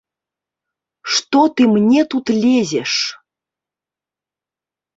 Што ты мне тут лезеш?